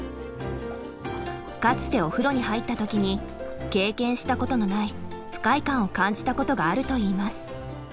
かつてお風呂に入った時に経験したことのない不快感を感じたことがあるといいます。